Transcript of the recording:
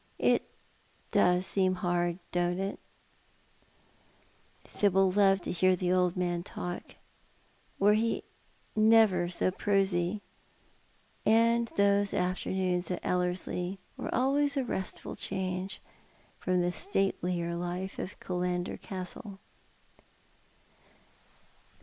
It seems hard, don't it ?" Sibyl loved to hear the old man talk, were he never so prosy ; and those afternoons at Ellerslie were always a restful change from the statelier life of Killander Castle.